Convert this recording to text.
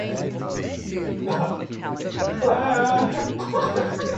Elastic response of rubber-like materials are often modeled based on the Mooney-Rivlin model.